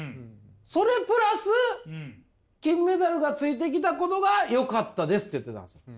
それプラス金メダルがついてきたことがよかったです」って言ってたんですよ。